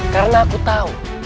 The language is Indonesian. karena aku tahu